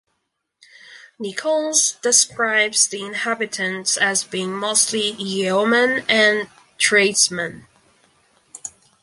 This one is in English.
Nichols describes the inhabitants as being mostly yeomen and tradesmen.